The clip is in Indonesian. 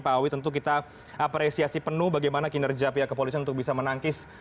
pak awi tentu kita apresiasi penuh bagaimana kinerja pihak kepolisian untuk bisa menangkis